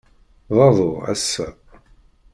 D aḍu, ass-a.